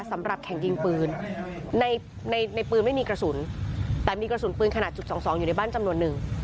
สำหรับแข่งยิงปืนในในปืนไม่มีกระสุนแต่มีกระสุนปืนขนาดจุดสองสองอยู่ในบ้านจำนวนนึง